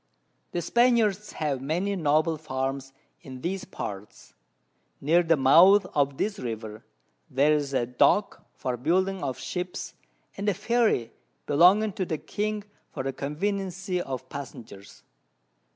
The Spaniards have many noble Farms in these Parts. Near the Mouth of this River, there's a Dock for building of Ships, and a Ferry belonging to the King for the Conveniency of Passengers.